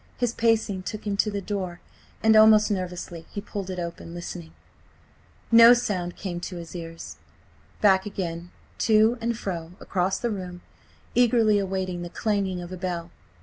His pacing took him to the door, and almost nervously he pulled it open, listening. No sound came to his ears. Back again, to and fro across the room, eagerly awaiting the clanging of a bell.